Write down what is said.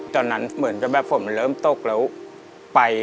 ตอนนั้นเหมือนแบบฝนมันเริ่มตกแล้วไป